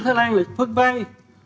ngân hàng là phân vai